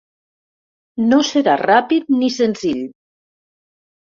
No serà ràpid ni senzill.